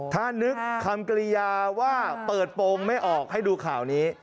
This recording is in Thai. ถ้านึกคำกริยาว่าเปิดโปรงไม่ออกให้ดูข่าวนี้